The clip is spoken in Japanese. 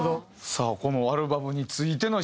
さあこのアルバムについての質問。